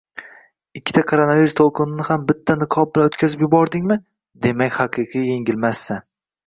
Ikkita Koronavirus to'lqinini ham bitta niqob bilan o'tkazib yubordingmi? Demak haqiqiy yengilmassan!